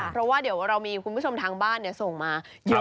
เพราะว่าเดี๋ยวเรามีคุณผู้ชมทางบ้านส่งมาเยอะ